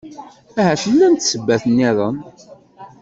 Ahat llant ssebbat-nniḍen.